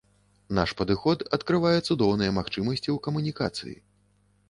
Наш падыход адкрывае цудоўныя магчымасці ў камунікацыі.